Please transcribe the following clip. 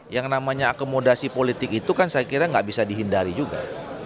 yang namanya akomodasi politik itu kan saya kira nggak bisa dihindari juga